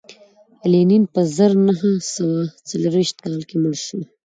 لینین په زر نه سوه څلرویشت کال کې مړ شو